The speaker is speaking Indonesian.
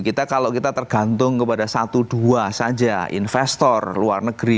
kita kalau kita tergantung kepada satu dua saja investor luar negeri